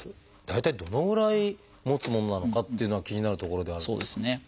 大体どのぐらいもつものなのかっていうのは気になるところではあるんですが。